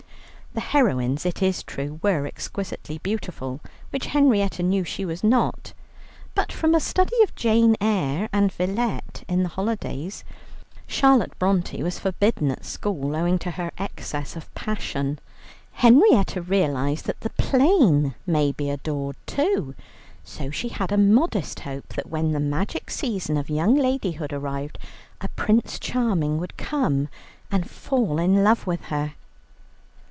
The heroines, it is true, were exquisitely beautiful, which Henrietta knew she was not, but from a study of "Jane Eyre" and "Villette" in the holidays, Charlotte Brontë was forbidden at school owing to her excess of passion, Henrietta realized that the plain may be adored too, so she had a modest hope that when the magic season of young ladyhood arrived, a Prince Charming would come and fall in love with her.